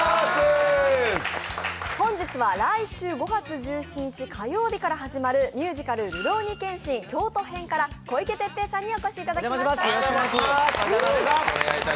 本日は来週５月１７日火曜日から始まるミュージカル「るろうに剣心京都編」から小池徹平さんにお越しいただきました。